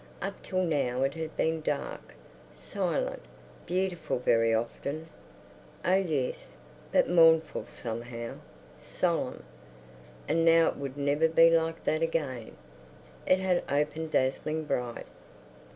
Up till now it had been dark, silent, beautiful very often—oh yes—but mournful somehow. Solemn. And now it would never be like that again—it had opened dazzling bright.